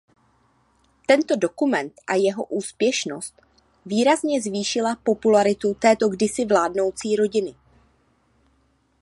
Tento dokument a jeho úspěšnost výrazně zvýšila popularitu této kdysi vládnoucí rodiny.